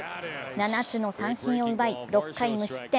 ７つの三振を奪い６回無失点。